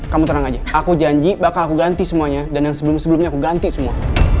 kamu terang aja aku janji bakal ganti semuanya dan sebelum sebelumnya ganti semua